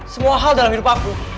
semua hal dalam hidup aku